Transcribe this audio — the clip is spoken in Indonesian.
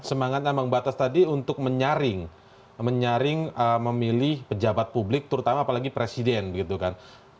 semangat ambang batas tadi untuk menyaring menyaring memilih pejabat publik terutama apalagi presiden begitu kan